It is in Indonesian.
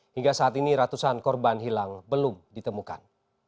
hingga saat ini ratusan korban hilang belum ditemukan